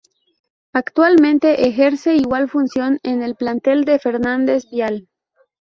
Actualmente ejerce igual función en el plantel de Fernández Vial.